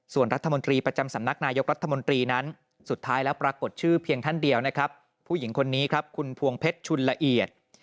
ส่วนรัฐมนตรีประจำสำนักนายกรัฐมนตรีนั้นสุดท้ายแล้วปรากฏชื่อเพียงท่านเดียวนะครับผู้หญิงคนนี้ครับคุณพวงเพชรชุนละเอียด